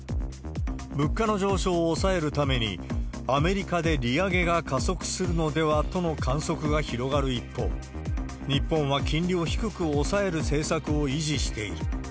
物価の上昇を抑えるために、アメリカで利上げが加速するのではとの観測が広がる一方、日本は金利を低く抑える政策を維持している。